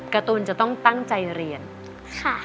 การ์ตูนจะต้องตั้งใจเรียนค่ะ